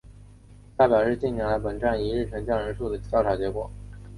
下表是近年来本站一日乘降人数的调查结果。